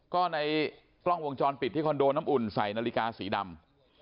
ก็ในกล้องวงจรปิดที่คอนโดน้ำอุ่นใส่นาฬิกาสีดำ